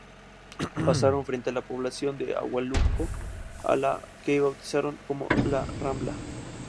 Pasaron frente a la población de Ahualulco a la que bautizaron como ""La Rambla"".